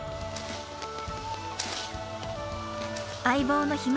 相棒のひむ